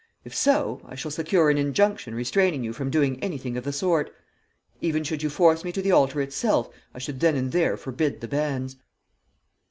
If so, I shall secure an injunction restraining you from doing anything of the sort. Even should you force me to the altar itself I should then and there forbid the banns.'